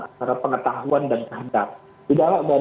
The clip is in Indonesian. antara pengetahuan dan sahabat